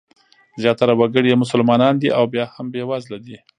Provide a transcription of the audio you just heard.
زیاتره وګړي یې مسلمانان دي او بیا هم بېوزله دي.